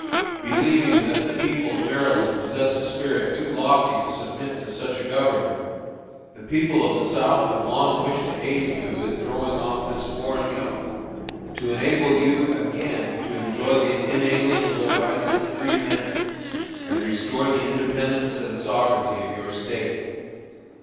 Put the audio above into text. "Believing that the people of Maryland possess a spirit too lofty to submit to such a Government, the people of the South have long wished to aid you in throwing off this foreign yoke, to enable you again to enjoy the inalienable rights of freemen, and restore the independence and sovereignty of your State.